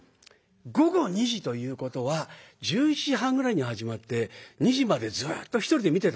午後２時ということは１１時半ぐらいに始まって２時までずっと１人で見てたんです。